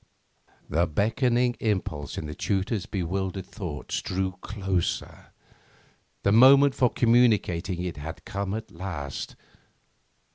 The beckoning impulse in the tutor's bewildered thoughts drew closer. The moment for communicating it had come at last.